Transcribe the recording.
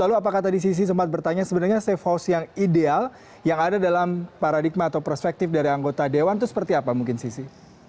lalu apakah tadi sisi sempat bertanya sebenarnya safe house yang ideal yang ada dalam paradigma atau perspektif dari anggota dewan itu seperti apa mungkin sisi